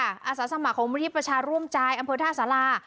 อาศาสมัครของวิทยุประชาร่วมจ่ายอำเภอท่าศาลา